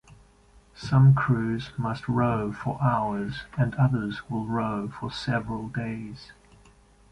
Some crews must row for hours, and others will row for several days.